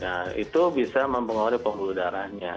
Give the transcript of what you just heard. nah itu bisa mempengaruhi pembuluh darahnya